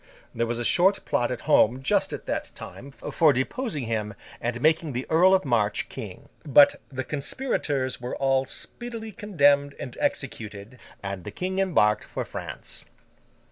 There was a short plot at home just at that time, for deposing him, and making the Earl of March king; but the conspirators were all speedily condemned and executed, and the King embarked for France.